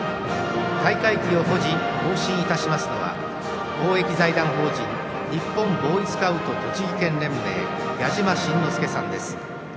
大会旗を保持・行進いたしますのは公益財団法人日本ボーイスカウト栃木県連盟矢島慎之介さんです。